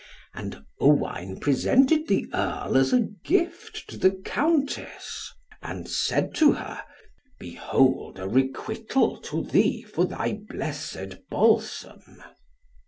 And Owain presented the Earl as a gift to the Countess. And said to her, "Behold a requittal to thee for thy blessed balsam."